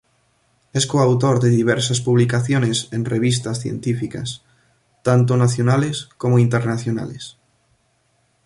Es coautor de diversas publicaciones en revistas científicas, tanto nacionales como internacionales.